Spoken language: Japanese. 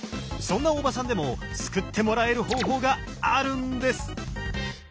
そんな大場さんでも救ってもらえる方法があるんです！